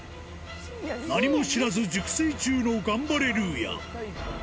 何も知らず熟睡中のガンバレルーヤ。